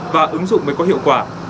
và ứng dụng mới có hiệu quả